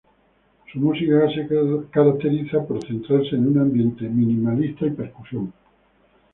Su música se caracteriza por centrarse en un ambiente minimalista y percusión.